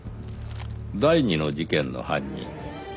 第二の事件の犯人